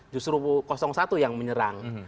justru satu yang menyerang